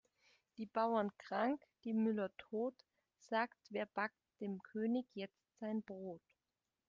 Die Bauern krank, die Müller tot, sagt wer backt dem König jetzt sein Brot?